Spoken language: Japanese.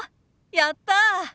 やった。